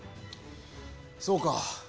そうか。